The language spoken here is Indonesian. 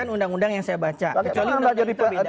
ini penafsiran saya berdasarkan undang undang yang saya baca